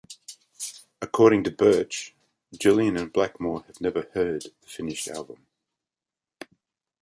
According to Birch, Gillan and Blackmore have never heard the finished album.